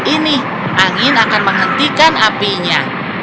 ini angin akan menghentikan apinya